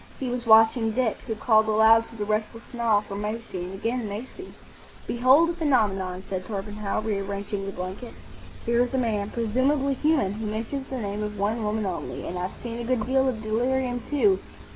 He was watching Dick, who called aloud to the restless Nile for Maisie,—and again Maisie! "Behold a phenomenon," said Torpenhow, rearranging the blanket. "Here is a man, presumably human, who mentions the name of one woman only. And I've seen a good deal of delirium, too.